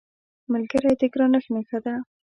ملګری د ګرانښت نښه ده